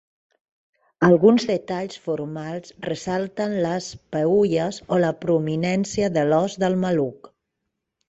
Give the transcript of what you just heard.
Alguns detalls formals ressalten les peülles o la prominència de l'os del maluc.